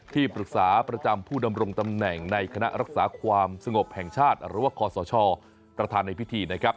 ที่ปรึกษาประจำผู้ดำรงตำแหน่งในคณะรักษาความสงบแห่งชาติหรือว่าคอสชประธานในพิธีนะครับ